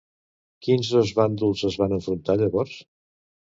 Quins dos bàndols es van enfrontar llavors?